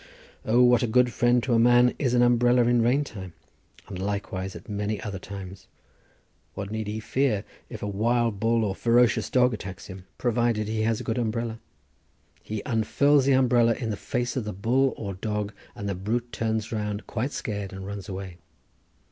O, what a good friend to a man is an umbrella in rain time, and likewise at many other times. What need he fear if a wild bull or a ferocious dog attacks him, provided he has a good umbrella? he unfurls the umbrella in the face of the bull or dog, and the brute turns round quite scared, and runs away.